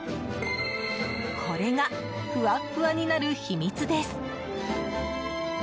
これがふわっふわになる秘密です。